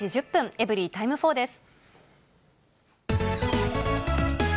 エブリィタイム４です。